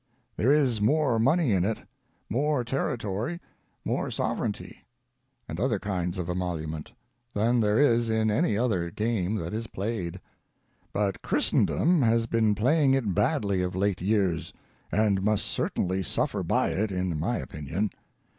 There is more money in it, more terri tory, more sovereignty, and other kinds of emolument, than there is in any other game that is played. But Christendom has been playing it badly of late years, and must certainly suffer by it, in my opinion.